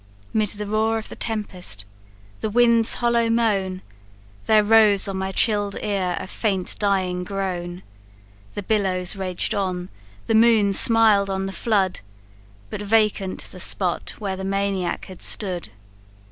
"'Mid the roar of the tempest, the wind's hollow moan, There rose on my chill'd ear a faint dying groan; The billows raged on, the moon smiled on the flood, But vacant the spot where the maniac had stood.